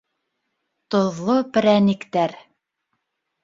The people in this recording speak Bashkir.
ТОҘЛО ПЕРӘНИКТӘР